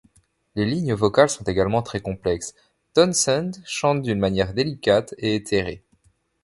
Les lignes vocales sont également très complexes; Townshend chante d'une manière délicate et éthérée.